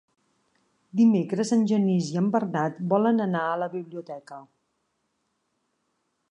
Dimecres en Genís i en Bernat volen anar a la biblioteca.